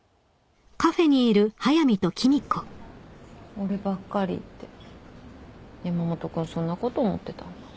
俺ばっかりって山本君そんなこと思ってたんだ。